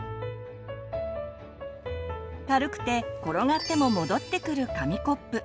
軽くて転がっても戻ってくる紙コップ。